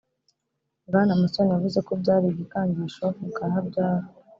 Bwana Musoni yavuze ko byari igikangisho kubwa Habyara